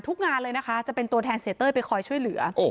งานเลยนะคะจะเป็นตัวแทนเสียเต้ยไปคอยช่วยเหลือ